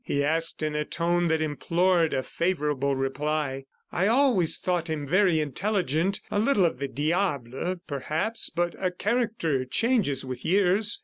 he asked in a tone that implored a favorable reply. "I always thought him very intelligent ... a little of the diable, perhaps, but character changes with years.